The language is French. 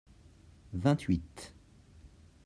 vingt huit.